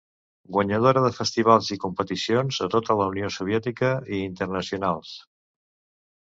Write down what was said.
Guanyadora de festivals i competicions a tota la Unió Soviètica i internacionals.